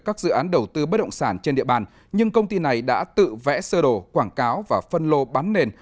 các dự án đầu tư bất động sản trên địa bàn nhưng công ty này đã tự vẽ sơ đồ quảng cáo và phân lô bán nền